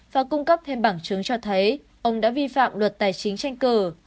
và cung cấp thêm bằng chứng cho thấy ông đã vi phạm luật tài chính tranh cử